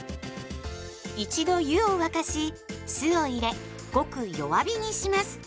一度湯を沸かし酢を入れごく弱火にします。